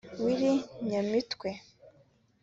Willy Nyamitwe